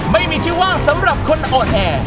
ไม่มีที่ว่างสำหรับคนอ่อนแอ